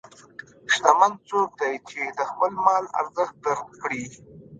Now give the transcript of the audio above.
شتمن څوک دی چې د خپل مال ارزښت درک کړي.